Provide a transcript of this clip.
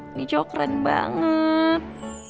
ini jauh keren banget